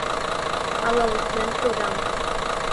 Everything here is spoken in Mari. Ала утлен кодам».